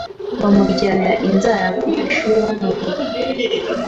bamuryanira inzara ku ishuri bamuvuga